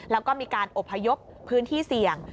แล้วก็มีการอบพยพพื้นที่เสี่ยง